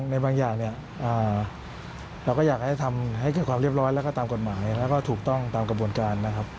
ในบางอย่างเนี่ยเราก็อยากให้ทำให้เกิดความเรียบร้อยแล้วก็ตามกฎหมายแล้วก็ถูกต้องตามกระบวนการนะครับ